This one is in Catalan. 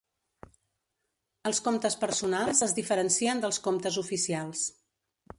Els comptes personals es diferencien dels comptes oficials.